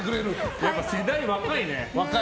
やっぱ世代若いね。